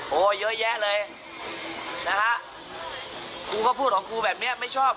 โอ้โหเยอะแยะเลยนะฮะกูก็พูดของกูแบบเนี้ยไม่ชอบ